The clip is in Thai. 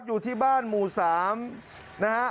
อยู่ที่บ้านหมู่๓นะฮะ